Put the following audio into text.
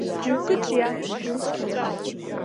Џьоукы ҿиап, џьоукы хҵәап.